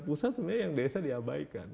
pusat sebenarnya yang desa diabaikan